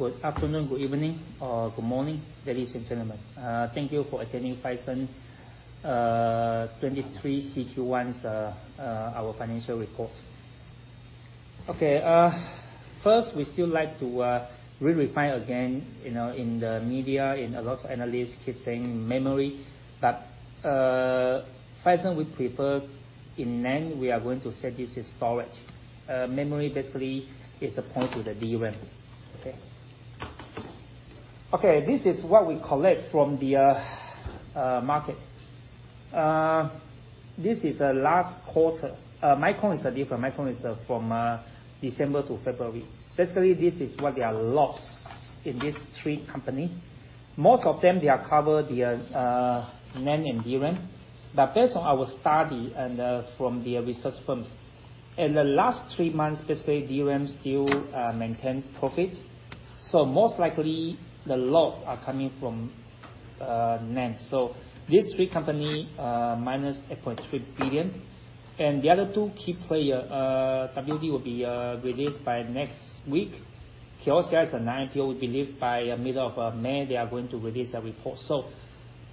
Good afternoon, good evening, or good morning, ladies and gentlemen. Thank you for attending Phison, 2023 CQ1's, our financial report. First, we still like to really refine again, you know, in the media, in a lot of analysts keep saying memory. Phison would prefer in NAND, we are going to say this is storage. Memory basically is a point to the DRAM. This is what we collect from the market. This is the last quarter. Micron is different. Micron is from December to February. Basically, this is what they are lost in these three companies. Most of them, they are covered, they are NAND and DRAM. Based on our study and from their research firms, in the last three months, basically DRAM still maintain profit. Most likely, the loss are coming from NAND. These three company, minus $8.3 billion. The other two key player, WD will be released by next week. Kioxia as an IPO, we believe by middle of May, they are going to release a report.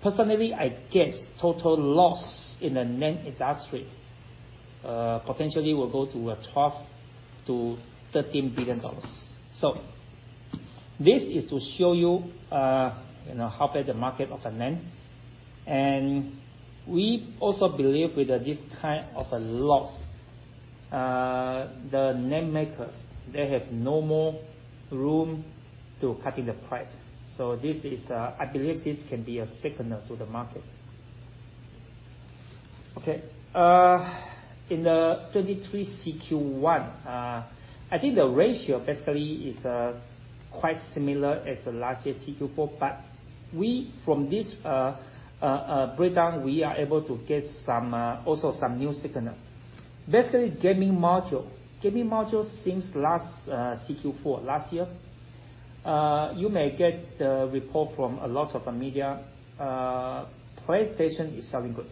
Personally, I guess total loss in the NAND industry, potentially will go to $12 billion-$13 billion. This is to show you know, how bad the market of a NAND. We also believe this kind of a loss, the NAND makers, they have no more room to cutting the price. This is, I believe this can be a signal to the market. Okay. In the 2023 CQ1, I think the ratio basically is quite similar as the last year's CQ4. From this breakdown, we are able to get some also some new signal. Basically, gaming module. Gaming module since last Q4, last year, you may get the report from a lot of the media, PlayStation is selling good.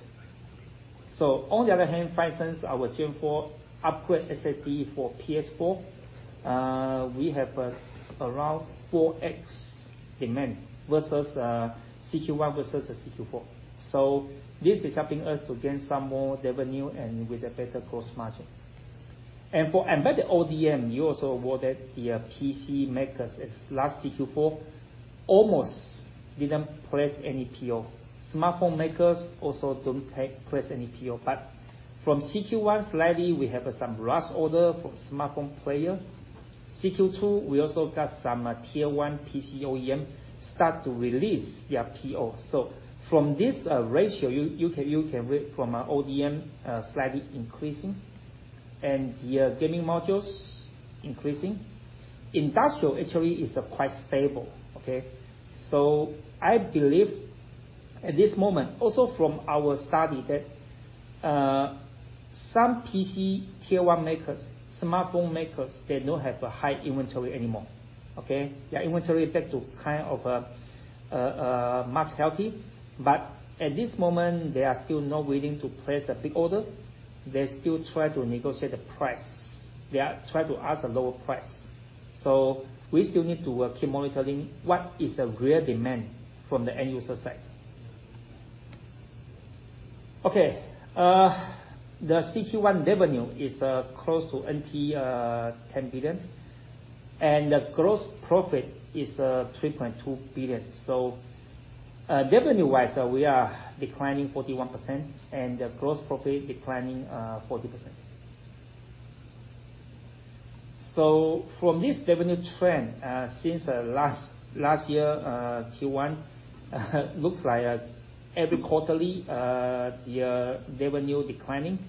On the other hand, Phison's, our Gen 4 upgrade SSD for PS4, we have around 4x demand versus CQ1 versus a CQ4. This is helping us to gain some more revenue and with a better gross margin. For embedded ODM, you also awarded their PC makers as last CQ4 almost didn't place any PO. Smartphone makers also don't place any PO. From CQ1, slightly we have some rush order from smartphone player. CQ2, we also got some tier one PC OEM start to release their PO. From this ratio, you can read from our ODM slightly increasing and their gaming modules increasing. Industrial actually is quite stable, okay. I believe at this moment, also from our study that some PC tier one makers, smartphone makers, they don't have a high inventory anymore. Their inventory back to kind of much healthy. At this moment, they are still not willing to place a big order. They still try to negotiate the price. They try to ask a lower price. We still need to keep monitoring what is the real demand from the end user side. Okay. The CQ1 revenue is close to 10 billion. The gross profit is 3.2 billion. Revenue-wise, we are declining 41%, and the gross profit declining 40%. From this revenue trend, since last year, Q1, looks like every quarterly the revenue declining.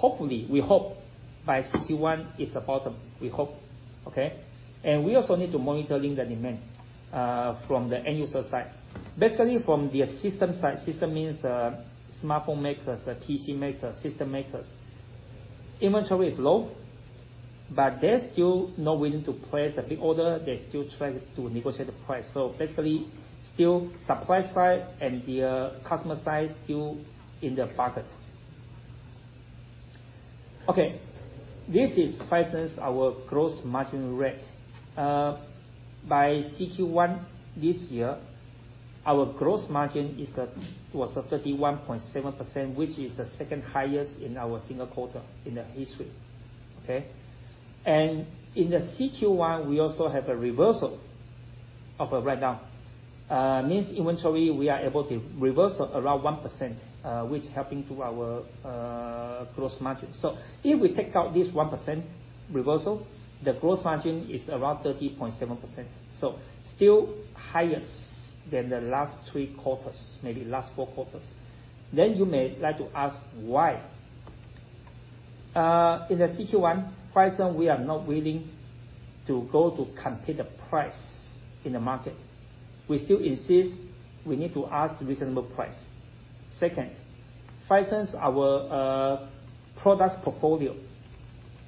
Hopefully, we hope by CQ1 it's the bottom. We hope, okay? We also need to monitoring the demand from the end user side. Basically, from their system side, system means the smartphone makers, PC makers, system makers, inventory is low, but they're still not willing to place a big order. They still try to negotiate the price. Basically, still supply side and their customer side still in the budget. Okay. This is Phison's, our gross margin rate. By CQ1 this year, our gross margin was 31.7%, which is the second highest in our single quarter in the history, okay. In the Q1, we also have a reversal of a write-down. Means inventory, we are able to reverse around 1%, which helping to our gross margin. If we take out this 1% reversal, the gross margin is around 30.7%. Still highest than the last three quarters, maybe last four quarters. You may like to ask why. In the CQ1, Phison, we are not willing to go to compete the price in the market. We still insist we need to ask reasonable price. Second, Phison's our product portfolio.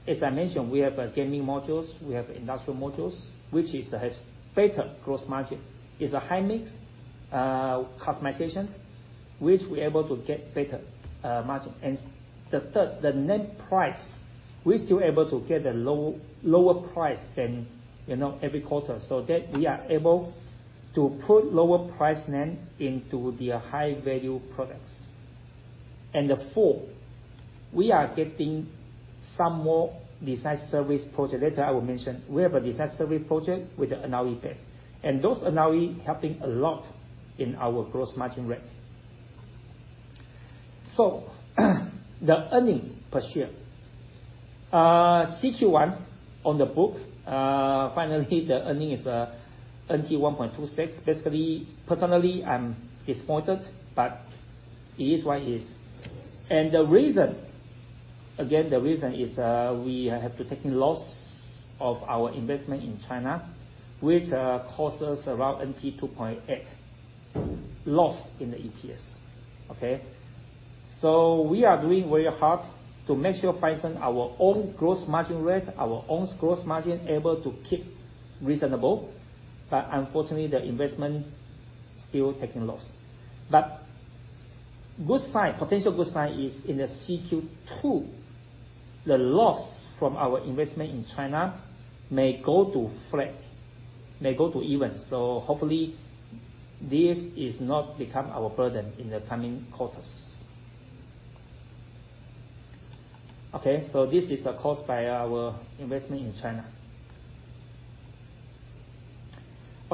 As I mentioned, we have gaming modules, we have industrial modules, which has better gross margin. It's a high-mix customizations. Which we're able to get better margin. The third, the NAND price, we're still able to get a lower price than, you know, every quarter. That we are able to put lower price NAND into the high value products. The fourth, we are getting some more design service project. Later I will mention, we have a design service project with the analog-based. Those analog helping a lot in our gross margin rate. The earning per share. Q1 on the book, finally, the earning is 1.26. Basically, personally, I'm disappointed, but it is what it is. The reason, again, is, we have to take in loss of our investment in China, which cost us around 2.8 loss in the EPS. Okay? We are doing very hard to make sure Phison our own gross margin rate, our own gross margin able to keep reasonable. Unfortunately, the investment still taking loss. Good sign, potential good sign is in the Q2, the loss from our investment in China may go to flat, may go to even. Hopefully this is not become our burden in the coming quarters. This is caused by our investment in China.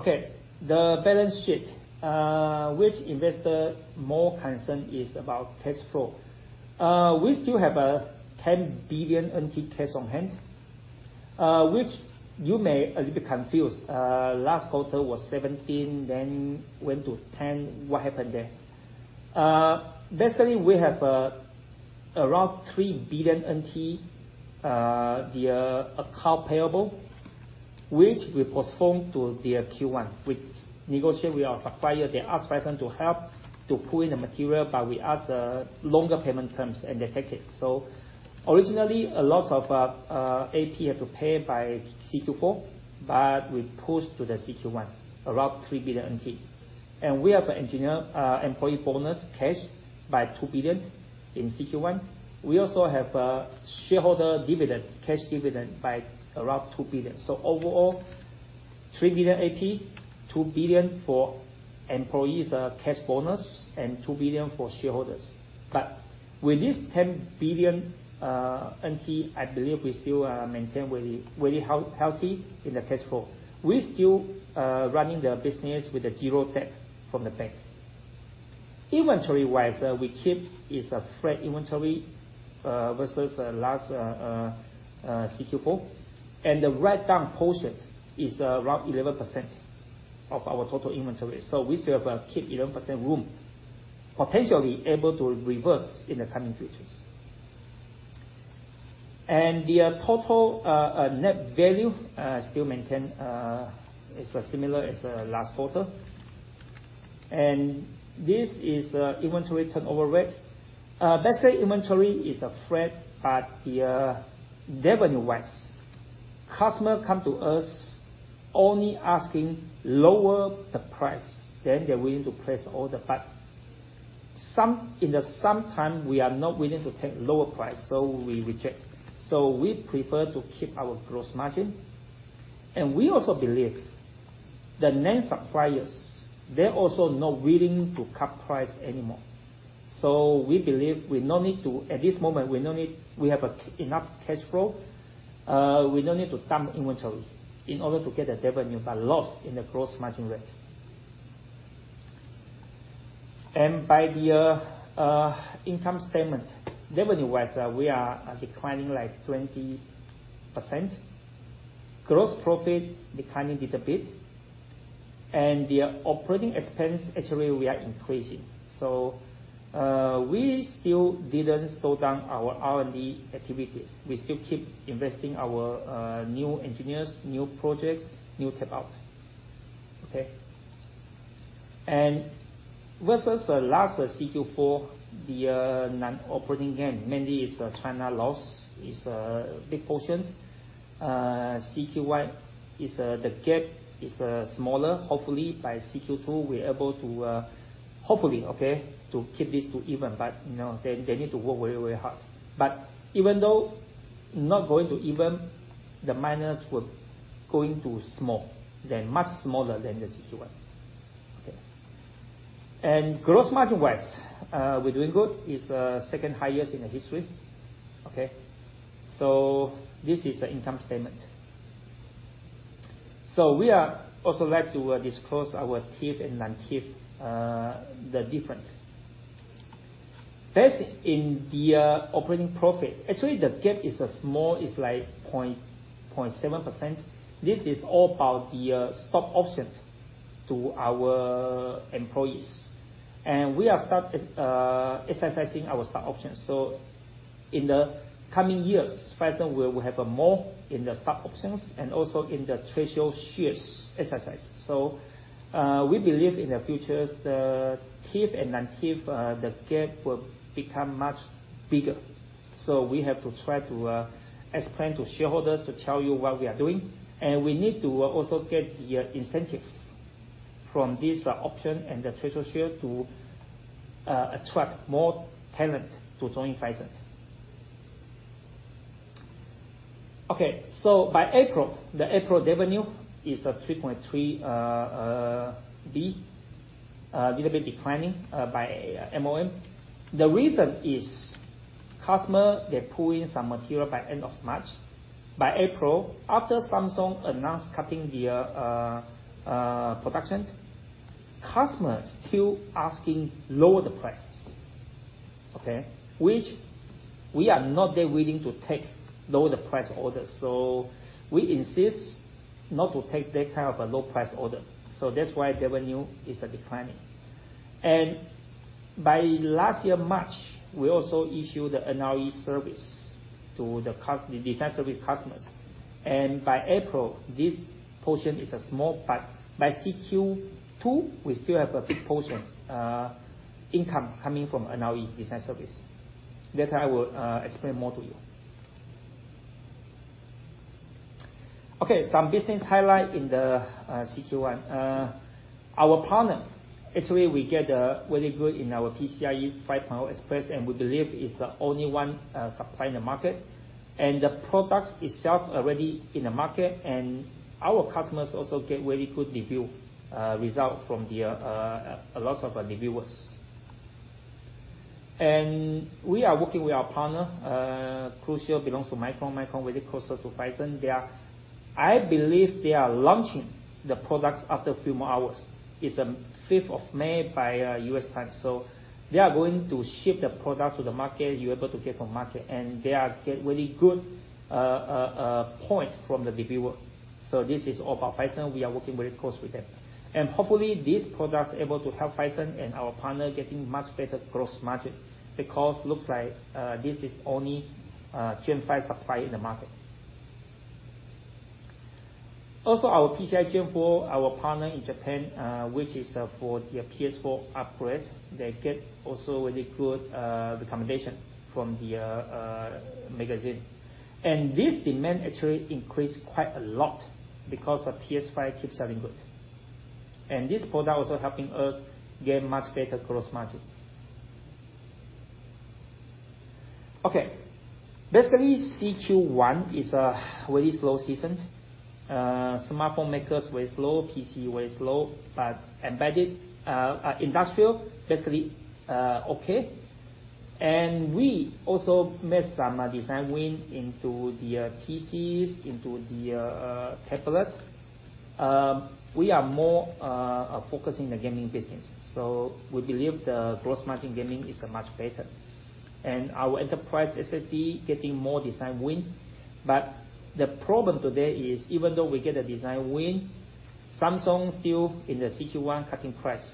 The balance sheet, which investor more concerned is about cash flow. We still have 10 billion NT cash on hand, which you may a little bit confused. Last quarter was 17 billion, then went to 10 billion. What happened there? Basically we have around 3 billion NT the account payable, which we postpone to the Q1. We negotiate with our supplier. They ask Phison to help to pull in the material, we ask longer payment terms and they take it. Originally, a lot of AP had to pay by CQ4, we pushed to the CQ1, around 3 billion NT. We have an engineer employee bonus cash by 2 billion in CQ1. We also have shareholder dividend, cash dividend by around 2 billion. Overall, 3 billion AP, 2 billion for employees cash bonus and 2 billion for shareholders. With this 10 billion NT, I believe we still maintain very, very healthy in the cash flow. We still running the business with a zero debt from the bank. Inventory-wise, we keep is a flat inventory versus last CQ4. The write down portion is around 11% of our total inventory. We still have 11% room, potentially able to reverse in the coming futures. The total net value still maintain is similar as last quarter. This is inventory turnover rate. Basically inventory is a flat, but the revenue-wise, customer come to us only asking lower the price, then they're willing to place order. In the sometime we are not willing to take lower price, so we reject. We prefer to keep our gross margin. We also believe the NAND suppliers, they're also not willing to cut price anymore. We believe At this moment, we no need. We have enough cash flow. We don't need to dump inventory in order to get the revenue but loss in the gross margin rate. By the income statement, revenue-wise, we are declining like 20%. Gross profit declining little bit. The operating expense actually we are increasing. We still didn't slow down our R&D activities. We still keep investing our new engineers, new projects, new tape out. Okay? Versus last CQ4, the non-operating gain, mainly is China loss is a big portion. CQ1 is the gap is smaller. Hopefully by CQ2, we're able to, hopefully, okay, to keep this to even. You know, they need to work very, very hard. Even though not going to even, the minus will going to small. They're much smaller than the CQ1. Okay. Gross margin-wise, we're doing good. It's second highest in the history. Okay? This is the income statement. We are also like to disclose our TIF and non-TIF, the difference. First, in the operating profit, actually the gap is a small, it's like 0.7%. This is all about the stock options to our employees. We are start exercising our stock options. In the coming years, Phison will have a more in the stock options and also in the treasury shares exercise. We believe in the futures, the TIF and non-TIF, the gap will become much bigger. We have to try to explain to shareholders to tell you what we are doing, and we need to also get the incentive from this option and the treasury share to attract more talent to join Phison. Okay. By April, the April revenue is at 3.3 billion, little bit declining, month-over-month. The reason is customer, they pull in some material by end of March. By April, after Samsung announced cutting their productions, customers still asking lower the price. Okay. Which we are not that willing to take lower the price orders. We insist not to take that kind of a low price order. That's why revenue is declining. By last year, March, we also issued the NRE service to the design service customers. By April, this portion is a small, but by CQ2, we still have a big portion, income coming from NRE design service. Later, I will explain more to you. Okay, some business highlight in the CQ1. Our partner, actually we get really good in our PCIe 5.0 Express, and we believe it's only one supply in the market. The product itself already in the market, and our customers also get very good review result from their a lot of reviewers. We are working with our partner, Crucial belongs to Micron. Micron very closer to Phison. I believe they are launching the products after a few more hours. It's fifth of May by U.S. time. They are going to ship the product to the market. You're able to get from market. They are get very good point from the reviewer. This is all about Phison. We are working very close with them. Hopefully, these products are able to help Phison and our partner getting much better gross margin because looks like this is only Gen 5 supply in the market. Our PCIe Gen 4, our partner in Japan, which is for their PS4 upgrade, they get also very good recommendation from their magazine. This demand actually increased quite a lot because of PS5 keep selling good. This product also helping us gain much better gross margin. Okay. Basically, CQ1 is a very slow season. Smartphone makers very slow, PC very slow, but embedded industrial, basically, okay. We also made some design win into the PCs, into the tablet. We are more focused in the gaming business. We believe the gross margin gaming is much better. Our enterprise SSD getting more design win. The problem today is even though we get a design win, Samsung still in the CQ1 cutting price.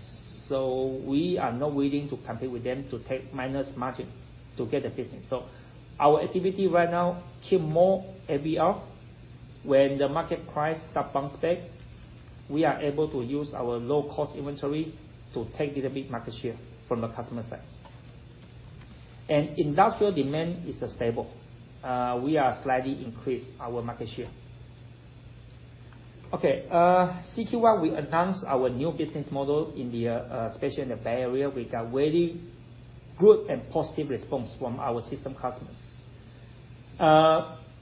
We are not willing to compete with them to take minus margin to get the business. Our activity right now keep more MBR. When the market price start bounce back, we are able to use our low-cost inventory to take little bit market share from the customer side. Industrial demand is stable. We are slightly increased our market share. Okay. CQ1, we announced our new business model in the, especially in the Bay Area. We got very good and positive response from our system customers.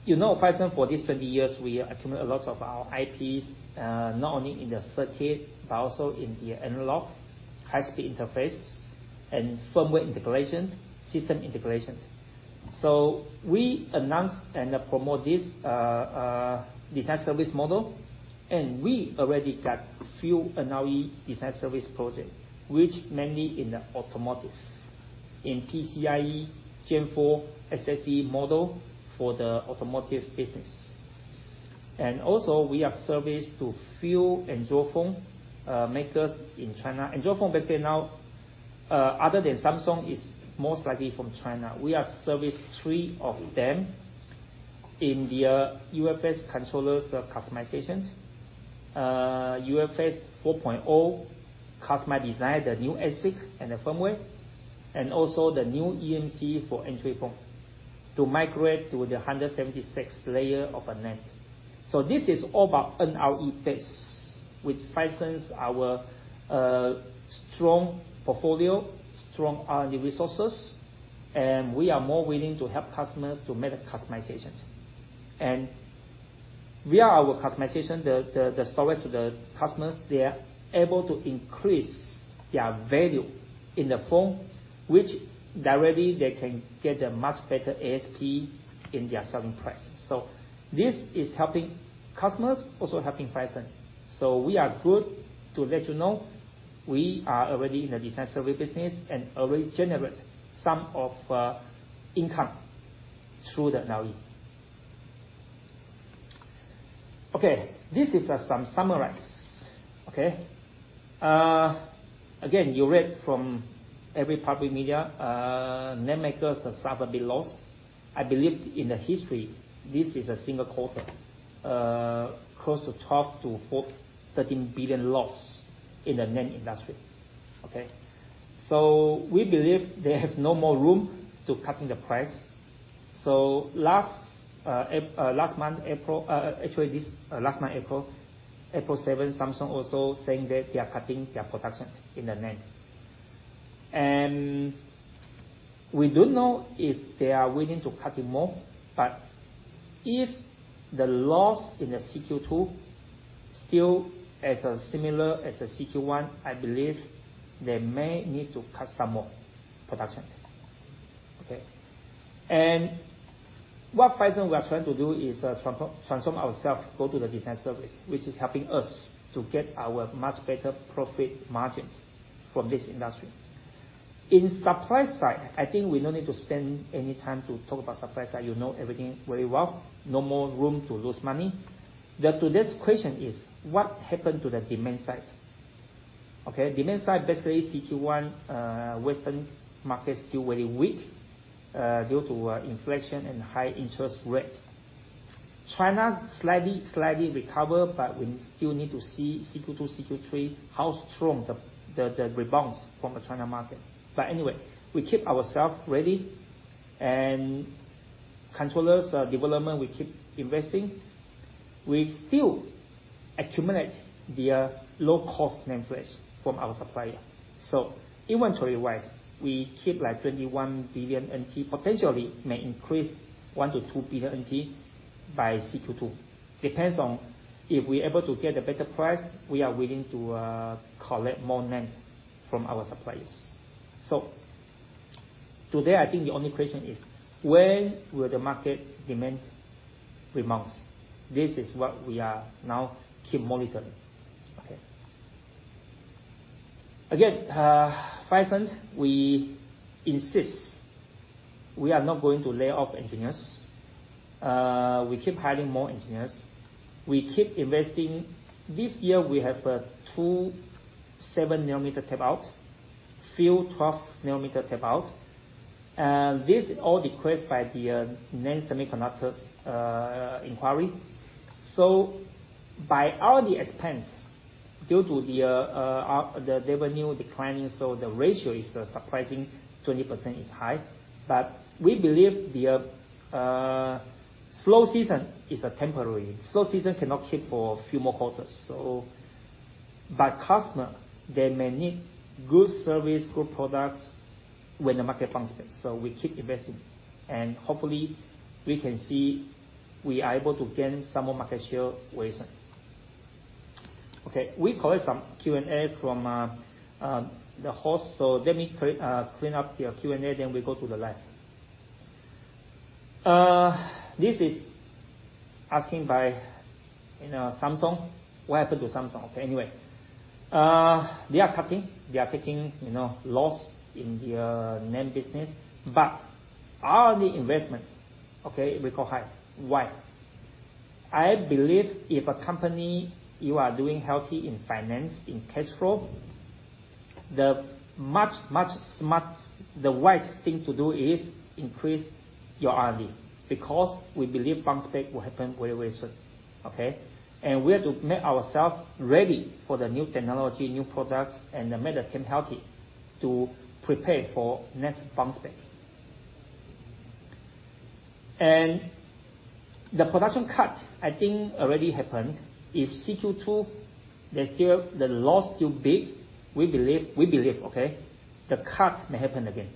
You know, Phison for this 20 years, we accumulate a lot of our IPs, not only in the circuit, but also in the analog, high-speed interface, and firmware integration, system integrations. We announced and promote this design service model, and we already got few NRE design service project, which mainly in the automotive, in PCIe Gen4 SSD model for the automotive business. We have service to few Android phone makers in China. Android phone basically now, other than Samsung, is most likely from China. We are service three of them in their UFS controllers, customizations, UFS 4.0 custom design, the new ASIC and the firmware, and also the new eMMC for Android phone to migrate to the 176-layer of a NAND. This is all about NRE-based, with Phison's, our strong portfolio, strong R&D resources, we are more willing to help customers to make customizations. Via our customization, the storage to the customers, they are able to increase their value in the phone, which directly they can get a much better ASP in their selling price. This is helping customers, also helping Phison. We are good to let you know we are already in the design service business and already generate some of income through the NRE. This is some summarize. You read from every public media, NAND makers have suffered a big loss. I believe in the history, this is a single quarter, close to 12 billion- 13 billion loss in the NAND industry. We believe they have no more room to cutting the price. Last month April 7, Samsung also saying that they are cutting their production in the NAND. We don't know if they are willing to cutting more, but if the loss in the CQ2 still as similar as the CQ1, I believe they may need to cut some more production. Okay? What Phison we are trying to do is transform ourselves, go to the design service, which is helping us to get our much better profit margin from this industry. In supply side, I think we don't need to spend any time to talk about supply side. You know everything very well. No more room to lose money. Today's question is what happened to the demand side? Okay, demand side, basically CQ1, Western market still very weak, due to inflation and high interest rate. China slightly recover, we still need to see CQ2, CQ3, how strong the rebounds from the China market. Anyway, we keep ourself ready and controllers development, we keep investing. We still accumulate their low cost NAND flash from our supplier. Inventory-wise, we keep like 21 billion NT, potentially may increase 1 billion-2 billion NT by CQ2. Depends on if we're able to get a better price, we are willing to collect more NAND from our suppliers. Today, I think the only question is, when will the market demand rebounds? This is what we are now keep monitoring. Okay. Again, Phison, we insist we are not going to lay off engineers. We keep hiring more engineers. We keep investing. This year we have two 7 nm tap out, few 12 nm tap out, This all request by the NAND makers inquiry. By all the expense, due to the our, the revenue declining, the ratio is surprising, 20% is high. We believe their slow season is a temporary. Slow season cannot keep for a few more quarters. Customer, they may need good service, good products when the market bounces back. We keep investing and hopefully we can see we are able to gain some more market share very soon. Okay, we collect some Q&A from the host. Let me clean up the Q&A, then we go to the live. This is asking by, you know, Samsung. What happened to Samsung? Okay. Anyway, they are cutting. They are taking, you know, loss in their NAND business. R&D investment, okay, we go high. Why? I believe if a company, you are doing healthy in finance, in cash flow, the much smart, the wise thing to do is increase your R&D because we believe bounce back will happen very, very soon, okay? We are to make ourself ready for the new technology, new products, and the meta team healthy to prepare for next bounce back. The production cut, I think already happened. If CQ2, The loss still big, we believe, okay, the cut may happen again.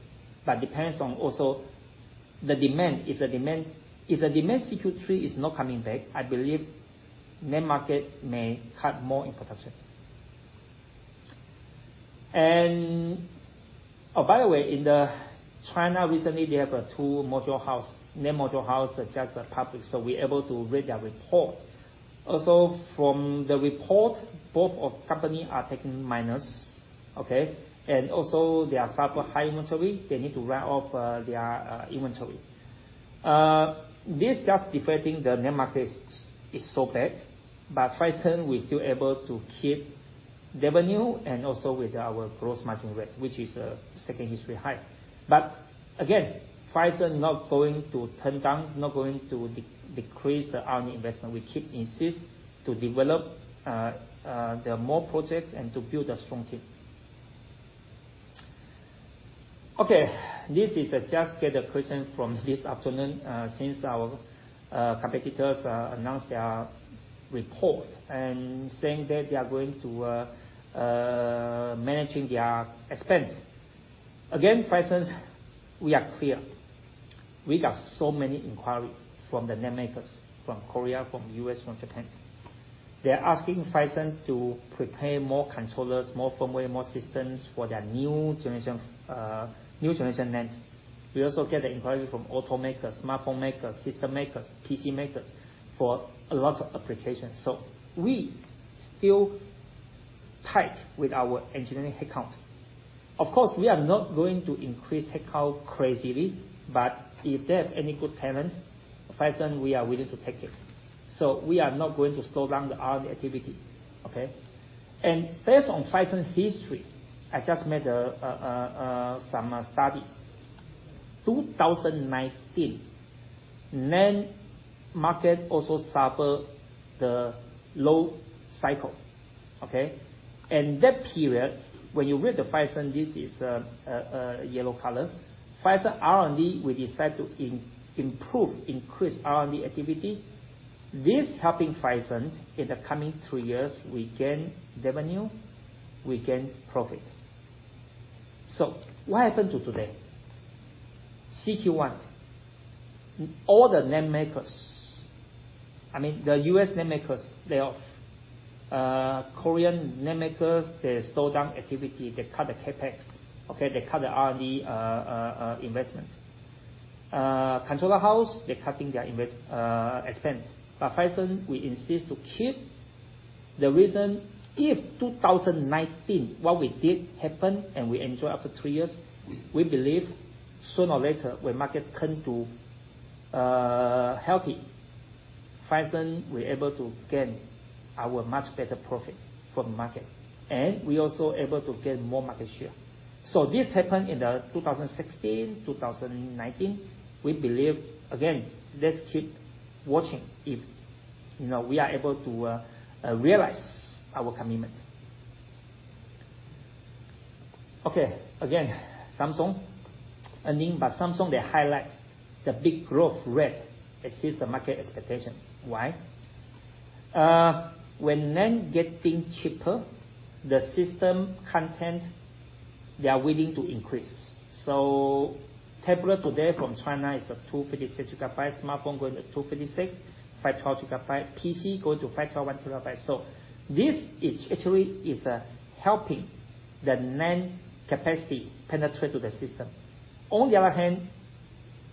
Depends on also the demand. If the demand CQ3 is not coming back, I believe NAND market may cut more in production. Oh, by the way, in the China recently, they have two module house, NAND module house that just public, so we're able to read their report. From the report, both of company are taking minus. They are suffer high inventory. They need to write off their inventory. This just reflecting the NAND market is so bad. Phison, we're still able to keep revenue and also with our gross margin rate, which is second history high. Phison not going to turn down, not going to decrease the R&D investment. We keep insist to develop their more projects and to build a strong team. This is a just get a question from this afternoon, since our competitors announced their report and saying that they are going to managing their expense. Phison, we are clear. We got so many inquiry from the NAND makers from Korea, from U.S., from Japan. They're asking Phison to prepare more controllers, more firmware, more systems for their new generation, new generation NAND. We also get the inquiry from auto makers, smartphone makers, system makers, PC makers for a lot of applications. We still tight with our engineering headcount. Of course, we are not going to increase headcount crazily, but if they have any good talent, Phison, we are willing to take it. We are not going to slow down the R&D activity, okay? Based on Phison history, I just made a some study. 2019, NAND market also suffer the low cycle. Okay? That period, when you read the Phison, this is yellow color. Phison R&D, we decide to improve, increase R&D activity. This helping Phison in the coming three years, we gain revenue, we gain profit. What happened to today? CQ1, all the NAND makers, I mean, the U.S. NAND makers, they have Korean NAND makers, they slow down activity. They cut the CapEx. Okay? They cut the R&D investment. Controller house, they're cutting their expense. Phison, we insist to keep. The reason, if 2019, what we did happen and we enjoy after three years, we believe sooner or later, when market turn to healthy, Phison, we're able to gain our much better profit from market, and we're also able to gain more market share. This happened in the 2016, 2019. We believe, again, let's keep watching if, you know, we are able to realize our commitment. Okay. Again, Samsung earning. Samsung, they highlight the big growth rate exceeds the market expectation. Why? When NAND getting cheaper, the system content, they are willing to increase. So tablet today from China is a 256 GB, smartphone going to 256, 512 GB. PC going to 512 and terabyte. So this is actually is helping the NAND capacity penetrate to the system. On the other hand,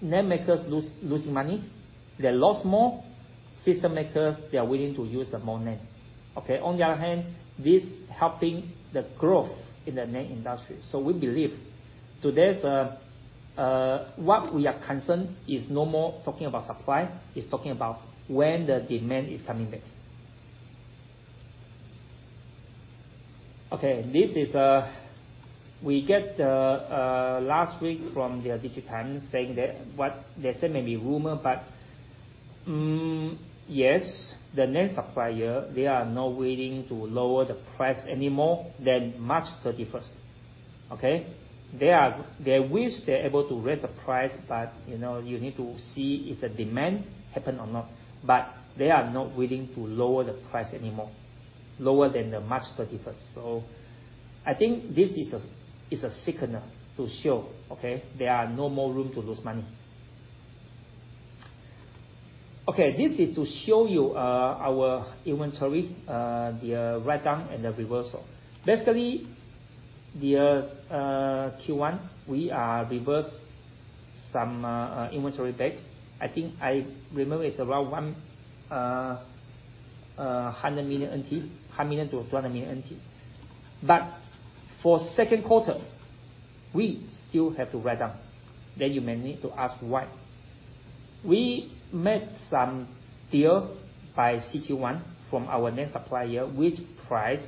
NAND makers losing money. They lost more. System makers, they are willing to use more NAND. Okay? On the other hand, this helping the growth in the NAND industry. So we believe today's what we are concerned is no more talking about supply. It's talking about when the demand is coming back. Okay. This is a. We get last week from the DigiTimes saying that what they say may be rumor, but, yes, the NAND supplier, they are not willing to lower the price any more than March 31st. Okay? They wish they're able to raise the price, but, you know, you need to see if the demand happen or not. They are not willing to lower the price any more, lower than the March 31st. I think this is a signal to show, okay, there are no more room to lose money. Okay. This is to show you our inventory, the write-down and the reversal. Basically, the Q1, we reverse some inventory back. I think I remember it's around 100 million NT, 100 million-200 million NT. For second quarter, we still have to write down. You may need to ask why. We made some deal by CQ1 from our NAND supplier, which price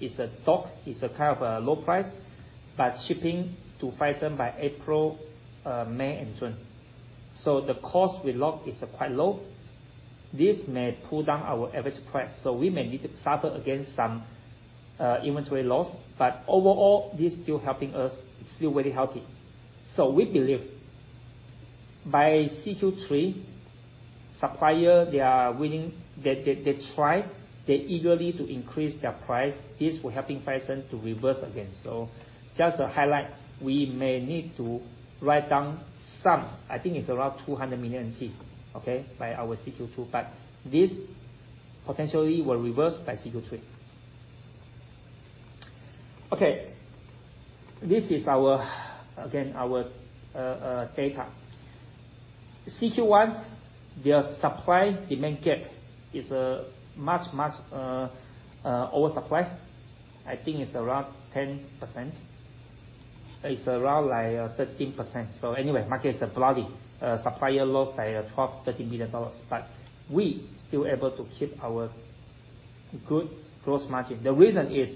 is a top, is a kind of a low price, but shipping to Phison by April, May and June. The cost we lock is quite low. This may pull down our average price, so we may need to suffer again some inventory loss. Overall, this still helping us, still very healthy. We believe by CQ3, supplier, they try, they eagerly to increase their price. This will helping Phison to reverse again. Just to highlight, we may need to write down some, I think it's around 200 million NT, okay, by our CQ2, but this potentially will reverse by CQ3. Okay. This is our, again, our data. CQ1, their supply-demand gap is much, much oversupply. I think it's around 10%. It's around like 13%. Anyway, market is bloody. Supplier lost by $12 billion-$13 billion, but we still able to keep our good gross margin. The reason is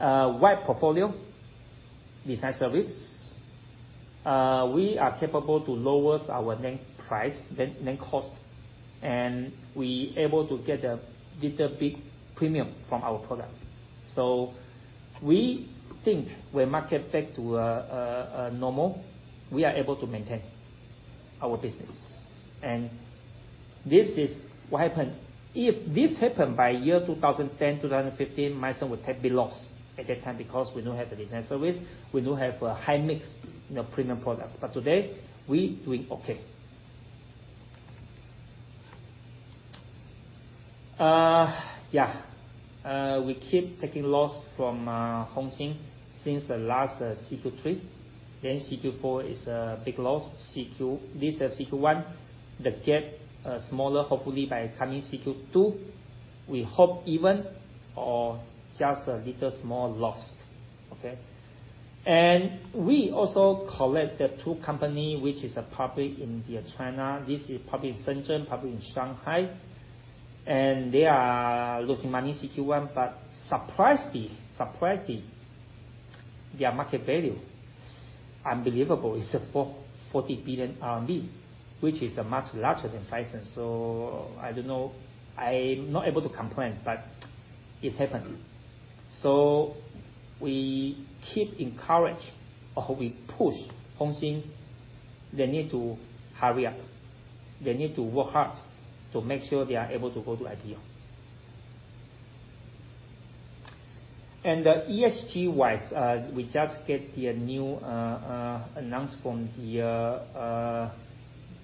wide portfolio, design service. We are capable to lower our NAND price, NAND cost, and we able to get a little big premium from our products. We think when market back to normal, we are able to maintain our business. This is what happened. If this happened by year 2010, 2015, Phison would have been lost at that time because we don't have a design service. We don't have a high-mix, you know, premium products. Today, we doing okay. Yeah. We keep taking loss from Hongxin since the last CQ3. CQ4 is a big loss. This CQ1, the gap smaller hopefully by coming CQ2, we hope even or just a little small loss. Okay? We also collect the two company which is public in the China. This is public in Shenzhen, public in Shanghai. They are losing money in CQ1, surprisingly, their market value, unbelievable, is at 40 billion RMB, which is much larger than Phison. I don't know. I'm not able to complain, it happened. We keep encourage or we push Hongxin, they need to hurry up. They need to work hard to make sure they are able to go to ideal. ESG-wise, we just get their new announcement here,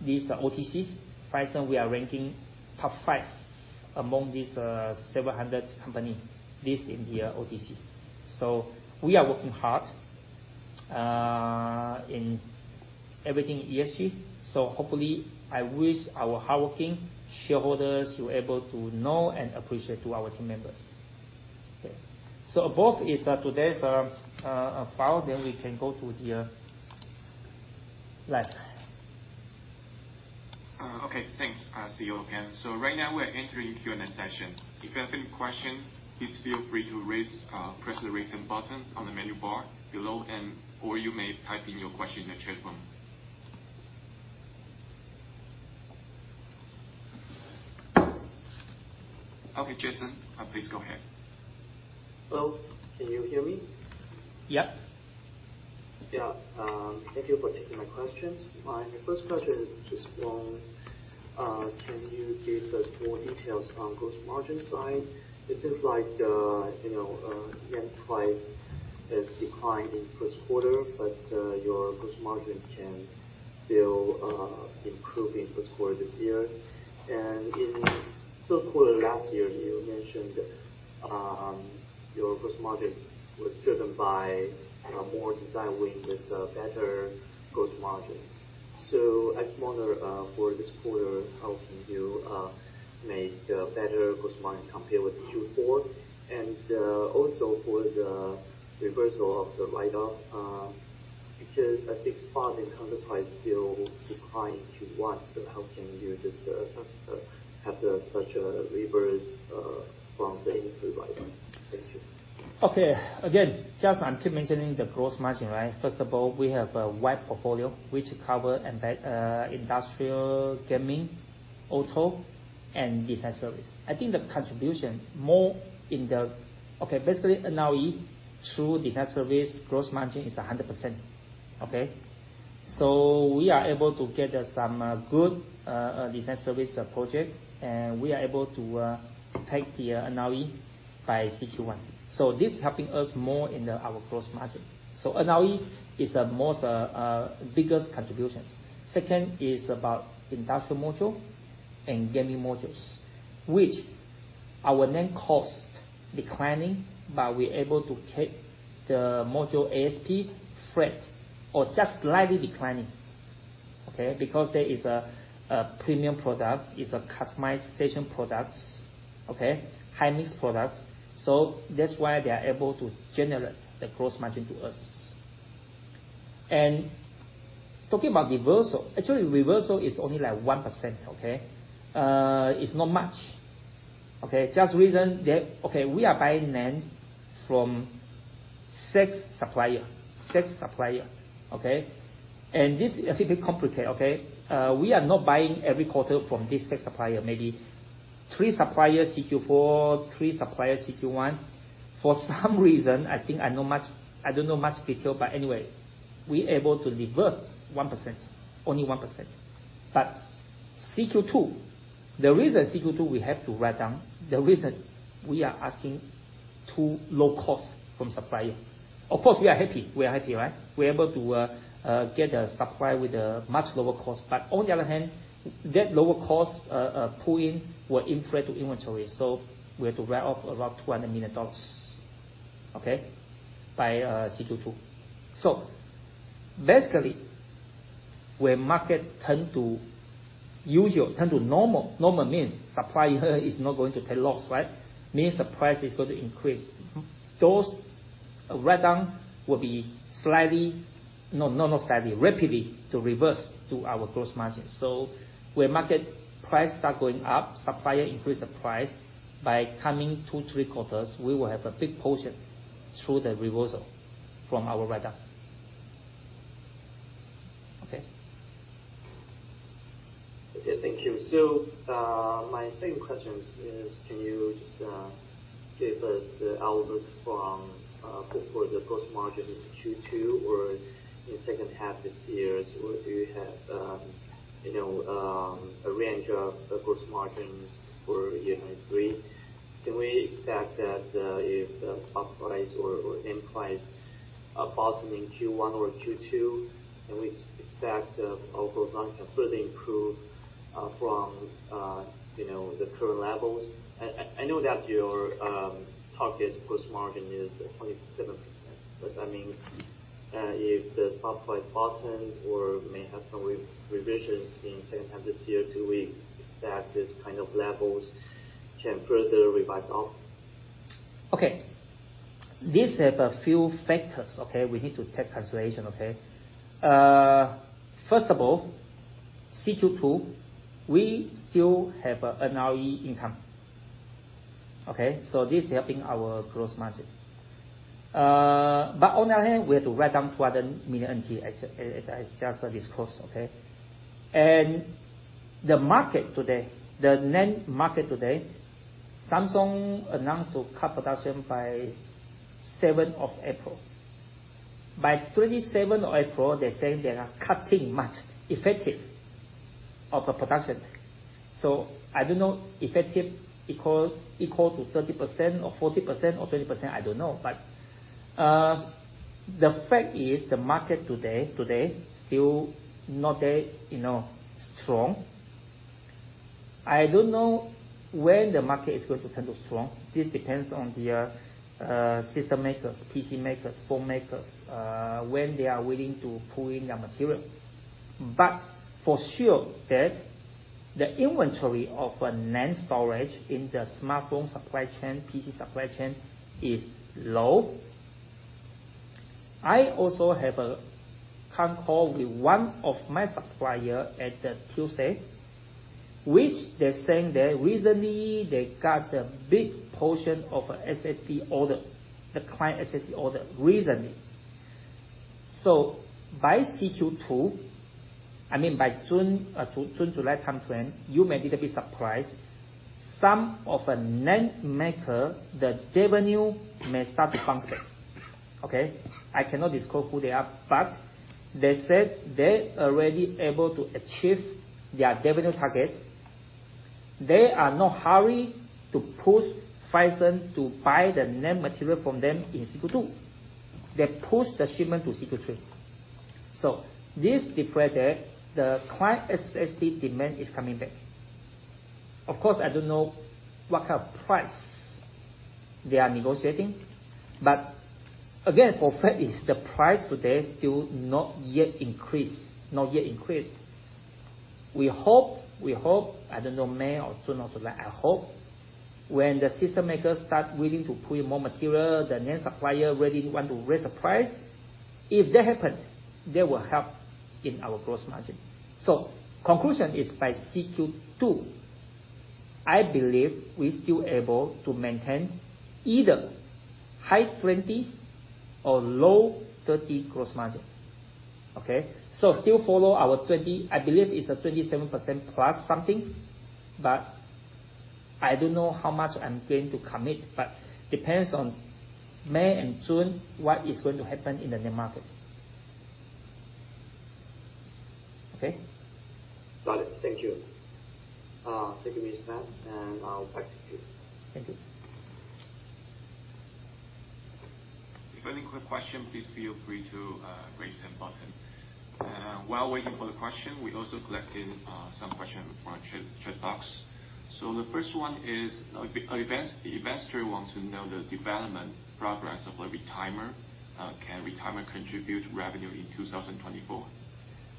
this OTC. Phison, we are ranking top five among these several hundred company listed in the OTC. We are working hard in everything ESG. Hopefully, I wish our hard-working shareholders, you able to know and appreciate to our team members. Okay. Above is today's file. We can go to the lab. Okay, thanks, CEO Ken. Right now we're entering Q&A session. If you have any question, please feel free to press the raise hand button on the menu bar below and or you may type in your question in the chat room. Okay, Jason, please go ahead. Hello. Can you hear me? Yep. Yeah. Thank you for taking my questions. My first question is just one, can you give us more details on gross margin side? It seems like, you know, NAND price has declined in first quarter, your gross margin can still improve in first quarter this year. In third quarter last year, you mentioned, your gross margin was driven by more design win with better gross margins. I just wonder, for this quarter, how can you make better gross margin compared with Q4? Also for the reversal of the write-off, because I think spot and counter price still decline Q1, how can you just have such a reverse from the industry write-off? Thank you. Okay. Again, just I'm keep mentioning the gross margin, right? First of all, we have a wide portfolio which cover industrial gaming, auto, and design service. I think the contribution more in the. Basically, NOI through design service gross margin is 100%. We are able to get some good design service project, and we are able to take the NOI by CQ1. This is helping us more in our gross margin. NOI is the most biggest contributions. Second is about industrial module and gaming modules, which our NAND cost declining, but we're able to keep the module ASP flat or just slightly declining. Because there is a premium product. It's a customization products. High-mix products. That's why they are able to generate the gross margin to us. Talking about reversal, actually reversal is only like 1%, okay. It's not much. Okay. Just reason that, okay, we are buying NAND from six supplier. Six supplier, okay. This is a bit complicated, okay. We are not buying every quarter from this six supplier. Maybe three suppliers CQ4, three suppliers CQ1. For some reason, I don't know much detail, but anyway, we're able to reverse 1%, only 1%. CQ2, the reason CQ2 we have to write down, the reason we are asking too low costs from supplier. Of course, we are happy. We are happy, right? We're able to get a supplier with a much lower cost. On the other hand, that lower cost pull in were inflate to inventory, so we had to write off around $200 million, okay. By CQ2. Basically, when market turn to usual, turn to normal means supplier is not going to take loss, right? Means the price is going to increase. Those write-down will be rapidly to reverse to our gross margins. When market price start going up, supplier increase the price. By coming two, three quarters, we will have a big portion through the reversal from our write-down. Okay. Okay, thank you. My second question is, can you just give us the outlook for the gross margin in Q2 or in second half this year, do you have, you know, a range of gross margins for year 93? Can we expect that if the spot price or NAND price are bottoming in Q1 or Q2, can we expect overall gross margin to further improve from, you know, the current levels? I know that your target gross margin is 27%. Does that mean if the spot price bottom or may have some revisions in second half this year, do we expect these kind of levels can further revise up? This have a few factors. We need to take consideration. First of all, CQ2, we still have a NRE income. This is helping our gross margin. On the other hand, we have to write down 200 million as I just disclosed. The market today, the NAND market today, Samsung announced to cut production by 7th of April. By 27th of April, they're saying they are cutting much effective of the production. I don't know effective equal to 30% or 40% or 20%, I don't know. The fact is the market today still not that, you know, strong. I don't know when the market is going to turn to strong. This depends on their system makers, PC makers, phone makers, when they are willing to pull in their material. For sure that the inventory of a NAND storage in the smartphone supply chain, PC supply chain is low. I also have a con call with one of my supplier at the Tuesday, which they're saying that recently they got a big portion of SSD order, the client SSD order recently. By CQ2, I mean by June, to June, July timeframe, you may little bit surprised, some of a NAND maker, the revenue may start to bounce back. Okay? I cannot disclose who they are, but they said they already able to achieve their revenue target. They are not hurry to push Phison to buy the NAND material from them in CQ2. They push the shipment to CQ3. This reflect that the client SSD demand is coming back. Of course, I don't know what kind of price they are negotiating, again, for a fact is the price today still not yet increased, not yet increased. We hope, I don't know, May or June or July, I hope when the system makers start willing to pull in more material, the NAND supplier really want to raise the price. If that happens, that will help in our gross margin. Conclusion is by CQ2, I believe we still able to maintain either high 20% or low 30% gross margin. Okay? Still follow our I believe it's a 27%+ something, I don't know how much I'm going to commit, depends on May and June, what is going to happen in the NAND market. Okay? Got it. Thank you. Thank you, Antonio Pan, and I'll pass it to you. Thank you. If any quick question, please feel free to raise hand button. While waiting for the question, we also collected some question from chat box. The first one is investor wants to know the development progress of Retimer. Can Retimer contribute revenue in 2024?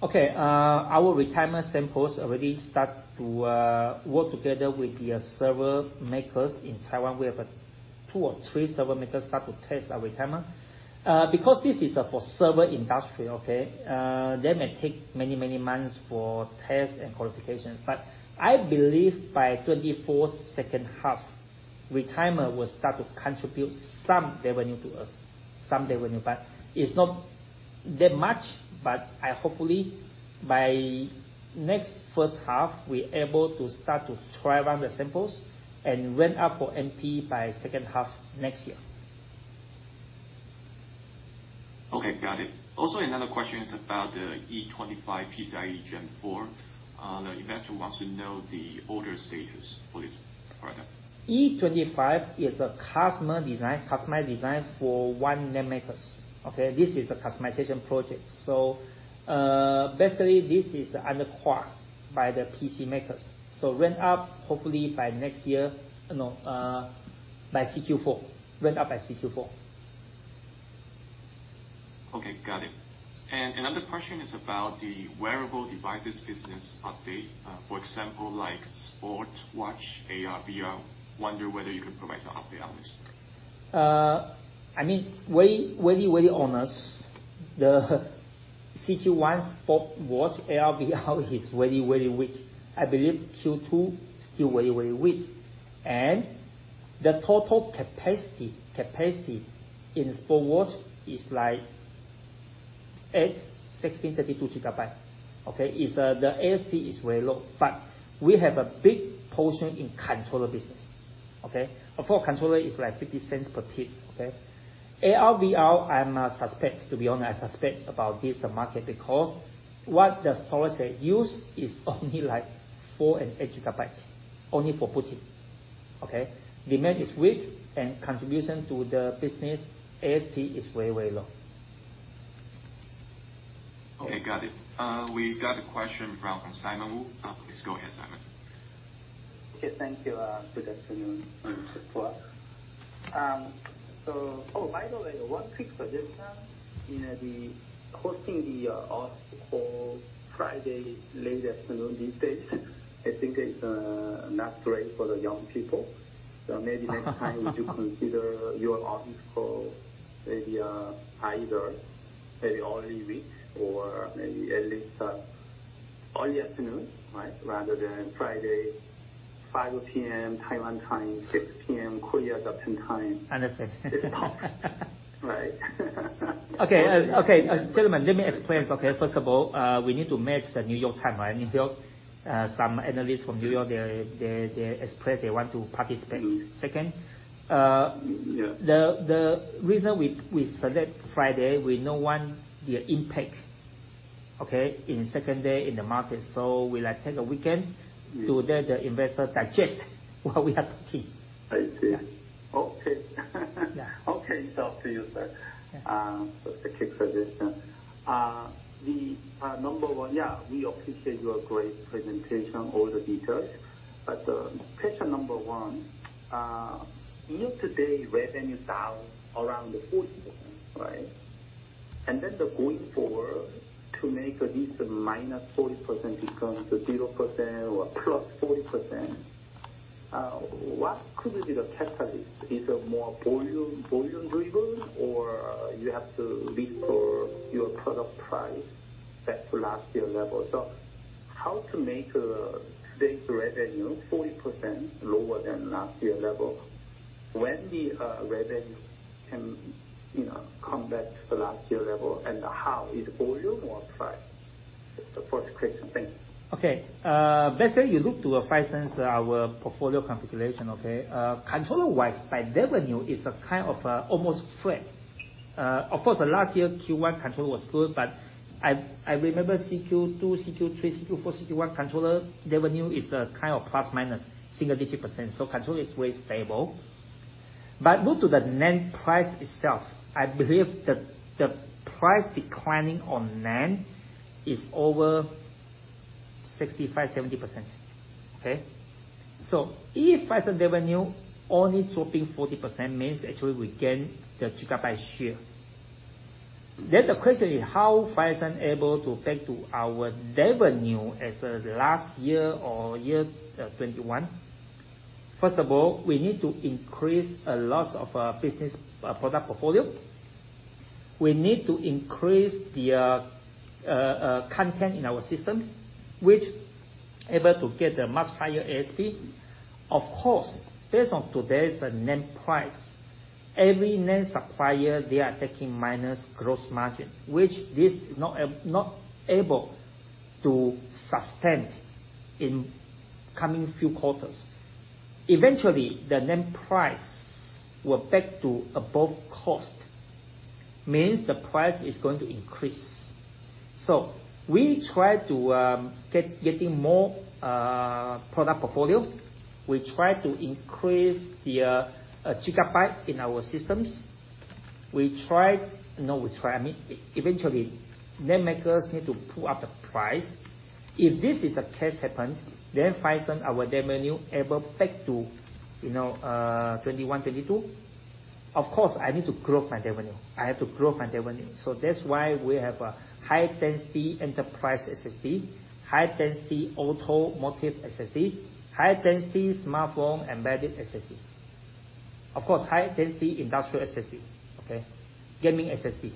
Okay. Our Retimer samples already start to work together with the server makers in Taiwan. We have two or three server makers start to test our Retimer. Because this is for server industry, okay. That may take many, many months for test and qualification. I believe by 2024 second half, Retimer will start to contribute some revenue to us. It's not that much, but hopefully by next first half, we're able to start to try run the samples and ramp up for MP by second half next year. Okay. Got it. Another question is about the E25 PCIe Gen 4. The investor wants to know the order status for this product. E25 is a customer design for one NAND makers, okay? This is a customization project. Basically, this is under qualified by the PC makers. Ramp up hopefully by next year, no, by CQ4. Ramp up by CQ4. Okay. Got it. Another question is about the wearable devices business update. For example, like sport watch, AR, VR. Wonder whether you can provide some update on this? I mean, very, very, very honest, the CQ1 sport watch AR, VR is very, very weak. I believe Q2 still very, very weak. The total capacity in sport watch is like 8 GB, 16 GB, 32 GB. Okay. The ASP is very low. We have a big portion in controller business, okay. A full controller is like $0.50 per piece, okay. AR, VR, I'm suspect, to be honest, I suspect about this market because what the storage they use is only like 4 GB and 8 GB, only for booting, okay. Demand is weak and contribution to the business ASP is very, very low. Okay. Got it. We've got a question from Simon Wu. Please go ahead, Simon. Okay. Thank you. Good afternoon, Mr. Pua. Oh, by the way, one quick suggestion. You know, the hosting the office for Friday late afternoon these days, I think it's not great for the young people. Maybe next time, would you consider your office for maybe either maybe early week or maybe at least early afternoon, right? Rather than Friday, 5 P.M. Taiwan time, 6 P.M. Korea, Japan time. Understood. Right. Okay. Okay. Gentlemen, let me explain. Okay. First of all, we need to match the New York time, right? You know, some analysts from New York, they expressed they want to participate. Second. The reason we select Friday, we don't want the impact, okay. In second day in the market. We like take a weekend to let the investor digest what we are talking. I see. Yeah. Okay. Yeah. Okay. It's up to you, sir. Yeah. Quick suggestion. Number one, yeah, we appreciate your great presentation, all the details. Question number one, year-to-date revenue down around the 40%, right? Going forward to make at least a -40% become 0% or +40%, what could be the catalyst? Is it more volume driven or you have to lower your product price back to last year level? How to make today's revenue 40% lower than last year level? When the revenue can, you know, come back to the last year level and how? Is volume or price? It's the first question. Thank you. Let's say you look to a Phison, our portfolio configuration. Controller-wise by revenue is a kind of almost flat. Of course, the last year Q1 controller was good, I remember CQ2, CQ3, CQ4, CQ1, controller revenue is kind of plus-minus single-digit %. Controller is very stable. Due to the NAND price itself, I believe the price declining on NAND is over 65%-70%. If Phison revenue only dropping 40% means actually we gain the gigabyte share. The question is how Phison able to take to our revenue as of last year or year 2021. First of all, we need to increase a lot of business product portfolio. We need to increase the content in our systems, which able to get a much higher ASP. Based on today's NAND price, every NAND supplier, they are taking minus gross margin, which this not able to sustain in coming few quarters. Eventually, the NAND price will back to above cost. The price is going to increase. We try to getting more product portfolio. We try to increase the gigabyte in our systems. We try. No, we try, I mean, eventually, NAND makers need to pull up the price. If this is a case happens, Phison, our revenue able back to, you know, 2021, 2022. I need to grow my revenue. I have to grow my revenue. That's why we have a high-density enterprise SSD, high-density automotive SSD, high-density smartphone embedded SSD. Of course, high-density industrial SSD. Okay? Gaming SSD.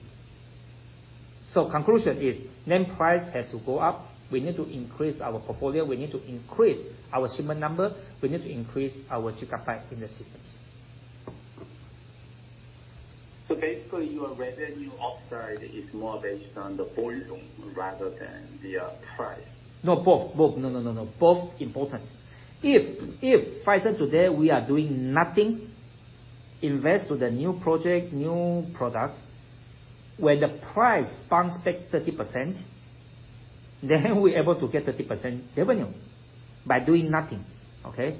Conclusion is NAND price has to go up. We need to increase our portfolio. We need to increase our shipment number. We need to increase our gigabyte in the systems. Basically, your revenue upside is more based on the volume rather than the price. No, both. Both. No, no, no. Both important. If Phison today we are doing nothing, invest to the new project, new products, when the price bounce back 30%, then we're able to get 30% revenue by doing nothing. Okay?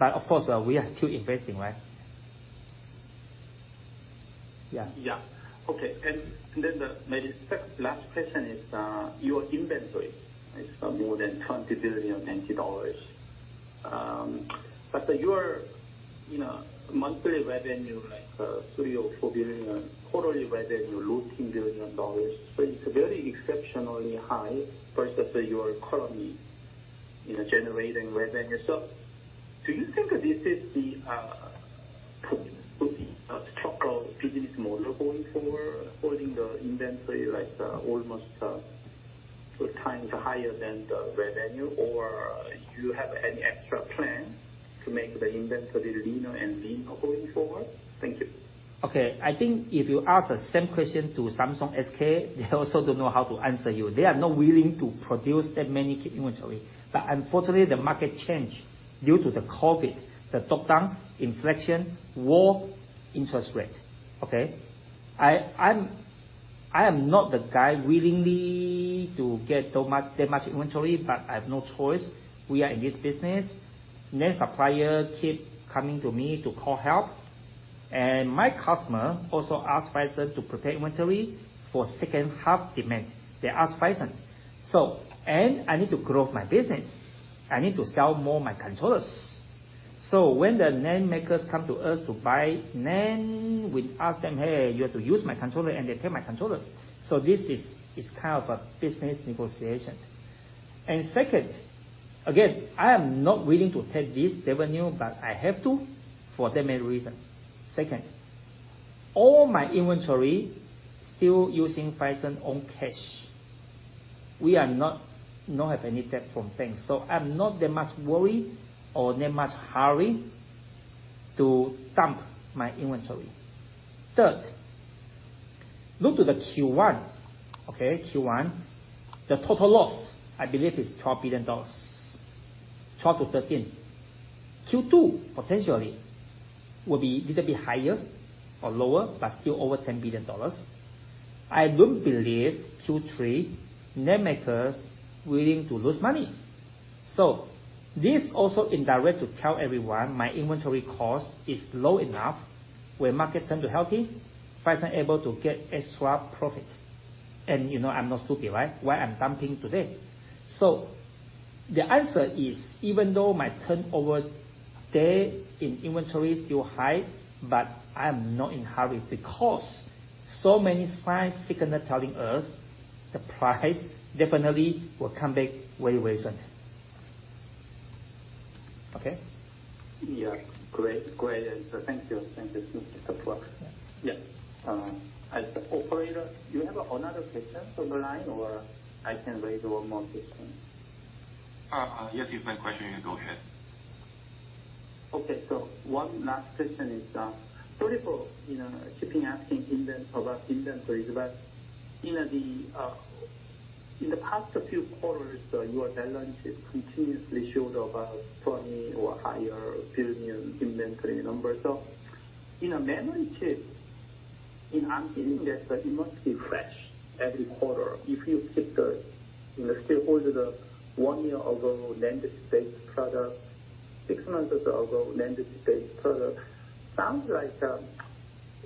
of course, we are still investing, right? Yeah. Yeah. Okay. Maybe second, last question is, your inventory is more than 20 billion NT dollars. Your, you know, monthly revenue, like, 3 billion or 4 billion, quarterly revenue, 14 billion dollars. It's very exceptionally high versus your current need, you know, generating revenue. Do you think this is the, could be, proper business model going forward, holding the inventory like, almost, 2x higher than the revenue? Do you have any extra plan to make the inventory leaner and leaner going forward? Thank you. Okay. I think if you ask the same question to Samsung SK, they also don't know how to answer you. They are not willing to produce that many inventory. Unfortunately, the market changed due to the COVID, the lockdown, inflation, war, interest rate. Okay? I am not the guy willingly to get so much, that much inventory, but I have no choice. We are in this business. NAND supplier keep coming to me to call help. My customer also ask Phison to prepare inventory for second half demand. They ask Phison. I need to grow my business. I need to sell more my controllers. When the NAND makers come to us to buy NAND, we ask them, "Hey, you have to use my controller," and they pay my controllers. This is kind of a business negotiation. Second, again, I am not willing to take this revenue, but I have to for that main reason. Second, all my inventory still using Phison own cash. We are not, no have any debt from banks, I'm not that much worried or that much hurry to dump my inventory. Third, look to the Q1. Okay, Q1, the total loss, I believe is $12 billion, $12 billion-$13 billion. Q2 potentially will be little bit higher or lower, but still over $10 billion. I don't believe Q3 NAND makers willing to lose money. This also indirect to tell everyone my inventory cost is low enough when market turn to healthy, Phison able to get extra profit. You know I'm not stupid, right? Why I'm dumping today? The answer is, even though my turnover day in inventory is still high, but I'm not in hurry because so many signs, signals telling us the price definitely will come back way soon. Okay? Yeah. Great. Great answer. Thank you. Thank you. Welcome. Yeah. Operator, do you have another question on the line, or I can raise one more question? Yes, you've got a question. You go ahead. Okay. One last question is, sorry for, you know, keeping asking about inventories, in the past few quarters, your balance sheet continuously showed about 20 billion or higher inventory numbers. In a memory chip, in understanding that, it must be fresh every quarter. If you keep the, you know, still hold the one year ago NAND-based product, six months ago NAND-based product, sounds like a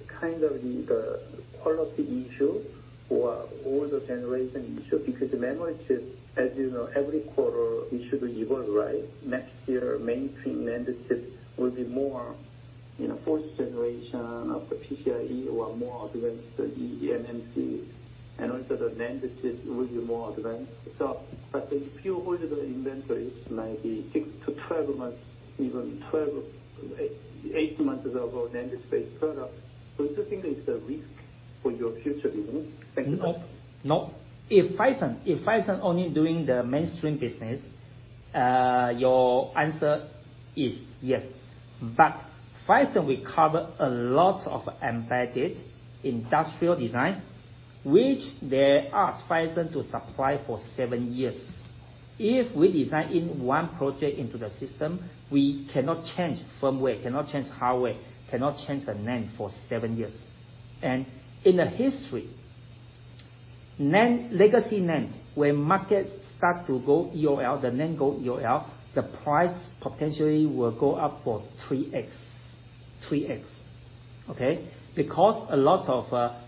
kind of the quality issue or older generation issue because memory chips, as you know, every quarter it should evolve, right? Next year, mainstream NAND chips will be more, you know, fourth generation of the PCIe or more advanced than eMMC, and also the NAND chips will be more advanced. If you hold the inventories maybe six to 12 months, even 12, eight months ago, NAND-based product, don't you think it's a risk for your future revenue? Thank you. No, no. If Phison, if Phison only doing the mainstream business, your answer is yes. Phison, we cover a lot of embedded industrial design, which they ask Phison to supply for seven years. If we design in one project into the system, we cannot change firmware, cannot change hardware, cannot change the NAND for seven years. In the history, NAND, legacy NANDs, when market start to go EOL, the NAND go EOL, the price potentially will go up for 3x. 3x, okay? Because a lot of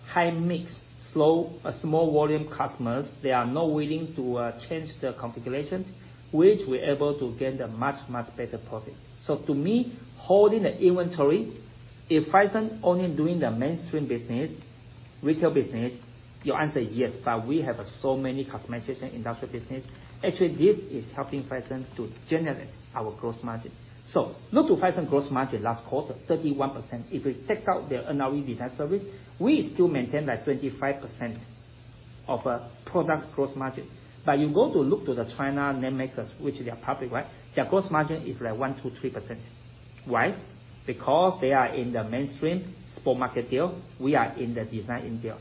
high mix, slow, small volume customers, they are not willing to change their configurations, which we're able to get a much, much better profit. To me, holding the inventory, if Phison only doing the mainstream business, retail business, your answer is yes. We have so many customization industrial business. Actually, this is helping Phison to generate our gross margin. Look to Phison gross margin last quarter, 31%. If we take out the NRE design service, we still maintain like 25% of products gross margin. You go to look to the China NAND makers, which they are public, right? Their gross margin is like 1%-3%. Why? Because they are in the mainstream spot market deal. We are in the design end deal.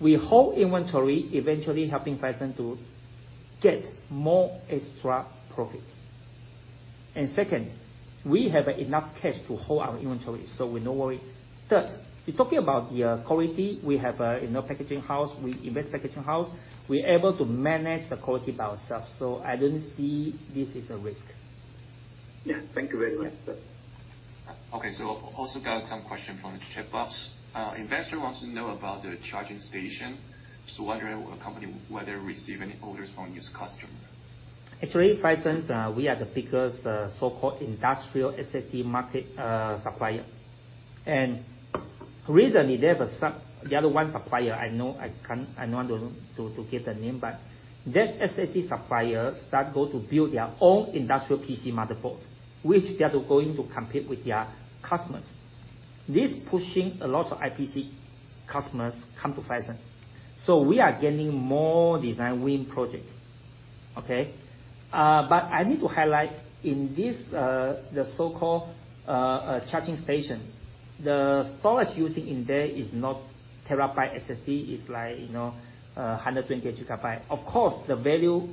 We hold inventory eventually helping Phison to get more extra profit. Second, we have enough cash to hold our inventory, we no worry. Third, you're talking about the quality. We have a, you know, packaging house. We invest packaging house. We're able to manage the quality by ourselves. I don't see this as a risk. Yeah. Thank you very much. Yeah. Okay. Also got some question from the chat box. Investor wants to know about the charging station. Whether receive any orders from this customer? Actually, Phison, we are the biggest so-called industrial SSD market supplier. Recently, they have the other one supplier I know, I can't, I don't want to give the NAND, but that SSD supplier start go to build their own industrial PC motherboard, which they are going to compete with their customers. This pushing a lot of IPC customers come to Phison. We are gaining more design win project. Okay? I need to highlight in this, the so-called charging station, the storage using in there is not terabyte SSD. It's like, you know, 120 GB. Of course, the value,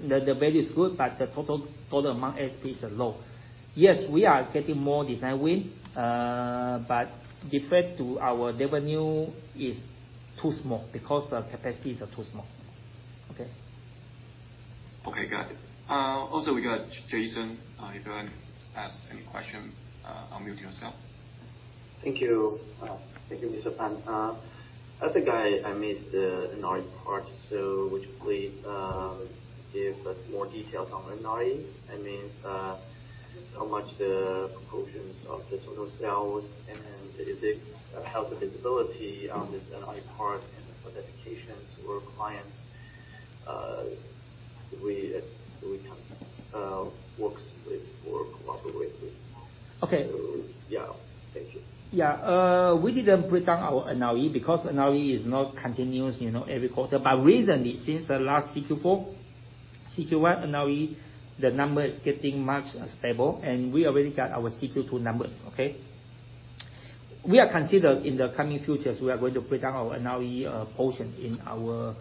the value is good, but the total amount SSD is low. Yes, we are getting more design win, compared to our revenue is too small because the capacities are too small. Okay? Okay, got it. Also, we got Jason. If you want to ask any question, unmute yourself. Thank you. Thank you, Antonio Pan. I think I missed the NRE part. Would you please give us more details on NRE? That means, how much the proportions of the total sales, and how's the visibility on this NRE part and for the applications or clients we can works with or collaborate with? Okay. Yeah. Thank you. We didn't put down our NRE because NRE is not continuous, you know, every quarter. Recently, since the last CQ4, CQ1 NRE, the number is getting much stable, and we already got our CQ2 numbers, okay? We are considering in the coming futures, we are going to put down our NRE portion in our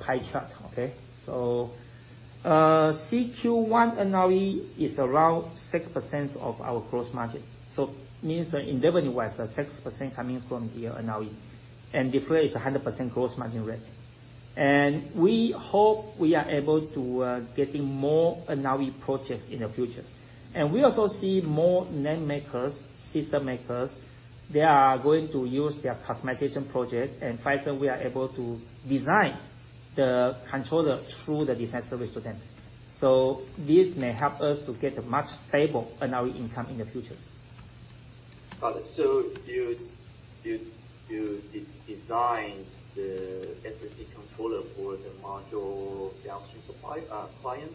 pie chart, okay? CQ1 NRE is around 6% of our gross margin. Means in revenue-wise, 6% coming from the NRE, and before it's a 100% gross margin rate. We hope we are able to getting more NRE projects in the future. We also see more NAND makers, system makers, they are going to use their customization project. Phison, we are able to design the controller through the design service to them. This may help us to get a much stable NRE income in the future. Got it. Do you de-design the SSD controller for the module downstream clients?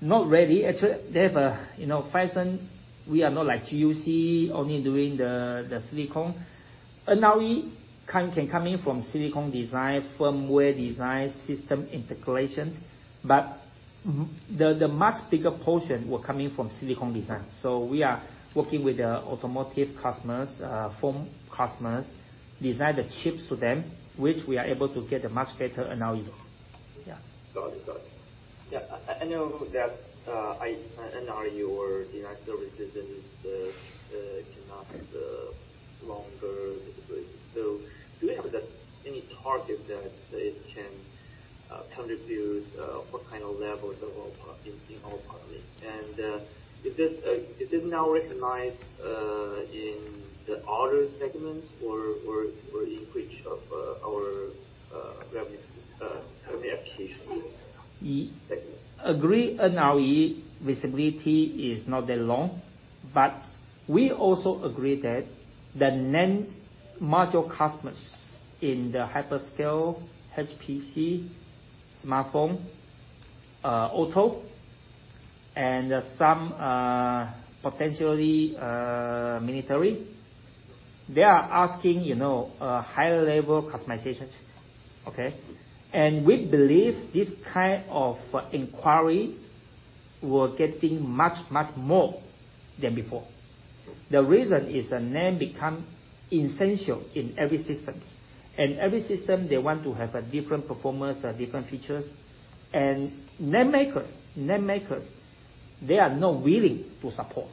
Not really. Actually, they have, you know, Phison, we are not like GUC, only doing the silicon. NRE can come in from silicon design, firmware design, system integrations. The much bigger portion will come in from silicon design. We are working with the automotive customers, phone customers, design the chips to them, which we are able to get a much better NRE. Yeah. Got it. Got it. Yeah. I know that NRE or design services is cannot longer visibility. Do you have any target that it can contribute what kind of levels in all product? Is this now recognized in the other segments or in which of our revenue term applications segment? Agree NRE visibility is not that long, but we also agree that the NAND module customers in the hyperscale, HPC, smartphone, auto and some, potentially, military, they are asking, you know, a higher level customization, okay? We believe this kind of inquiry will getting much, much more than before. The reason is a NAND become essential in every systems. Every system, they want to have a different performance, different features. NAND makers, they are not willing to support,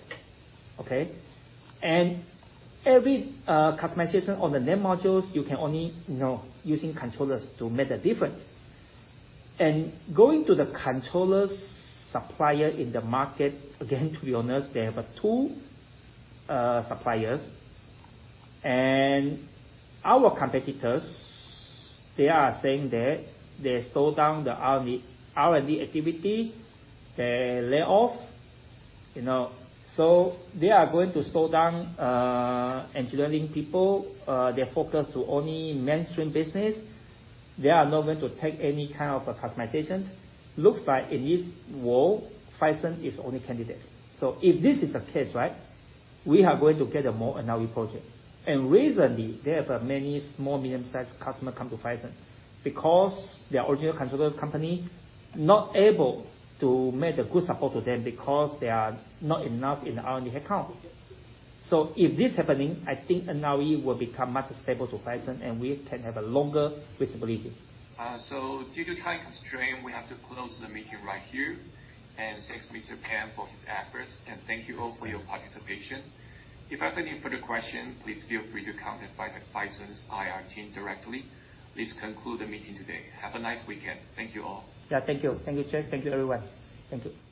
okay? Every customization on the NAND modules, you can only, you know, using controllers to make the difference. Going to the controllers supplier in the market, again, to be honest, they have two suppliers. Our competitors, they are saying that they slow down the R&D activity. They lay off, you know. They are going to slow down engineering people. They focus to only mainstream business. They are not going to take any kind of a customization. Looks like in this world, Phison is only candidate. If this is the case, right? We are going to get a more NRE project. Recently, they have a many small, medium-sized customer come to Phison because their original controller company not able to make a good support to them because they are not enough in the R&D headcount. If this happening, I think NRE will become much stable to Phison, and we can have a longer visibility. Due to time constraint, we have to close the meeting right here. Thanks, Antonio Pan, for his efforts. Thank you all for your participation. If you have any further question, please feel free to contact by the Phison's IR team directly. This conclude the meeting today. Have a nice weekend. Thank you all. Yeah. Thank you. Thank you, Chair. Thank you, everyone. Thank you.